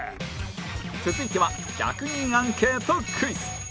続いては１００人アンケートクイズ